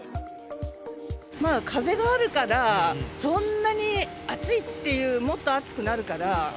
風があるから、そんなに暑いっていう、もっと暑くなるから。